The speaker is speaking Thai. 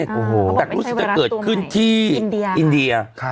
โอ้โหไม่ใช่แหวรัสตัวไหนแต่รู้สึกจะเกิดขึ้นที่อินเดีย